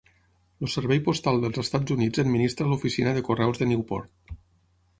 El Servei Postal dels Estats Units administra l'oficina de correus de Newport.